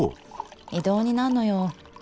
異動になんのよ。